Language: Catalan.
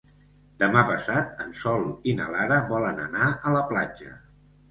Demà passat en Sol i na Lara volen anar a la platja.